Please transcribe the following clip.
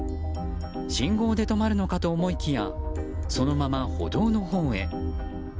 信号で止まるのかと思いきやそのまま歩道のほうへ。